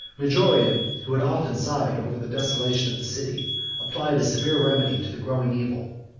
Majorian, who had often sighed over the desolation of the city, applied a severe remedy to the growing evil.